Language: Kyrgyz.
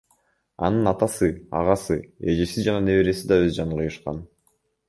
Анын атасы, агасы, эжеси жана небереси да өз жанын кыйышкан.